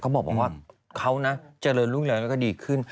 เขาบอกว่าเขานะเจริญรุ่งเรืองแล้วก็ดีขึ้น